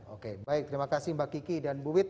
oke baik terima kasih mbak kiki dan bu wit